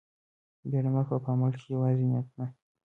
بيړه مه کوه په عمل کښې يوازې نيت نه.